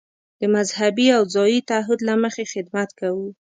د مذهبي او ځايي تعهد له مخې خدمت کوو.